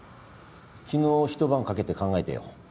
昨日ひと晩かけて考えたよ。